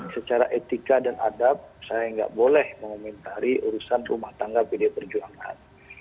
secara etika dan adab saya nggak boleh mengomentari urusan rumah tangga pdi perjuangan